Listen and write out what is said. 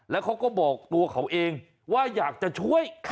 แล้วเขาก็บอกตัวเขาเองว่าอยากจะช่วย